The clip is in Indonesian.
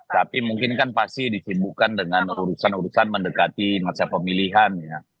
tapi mungkin kan pasti disibukan dengan urusan urusan mendekati masa pemilihan ya